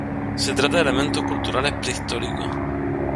Se trata de elementos culturales "prehistóricos".